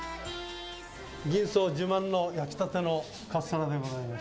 銀装自慢の焼きたてのカステラでございます。